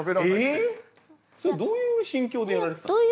それはどういう心境でやられてたんですか？